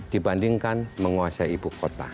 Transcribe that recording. dibandingkan menguasai ibu kota